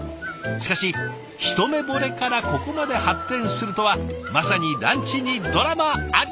しかし一目ボレからここまで発展するとはまさにランチにドラマあり！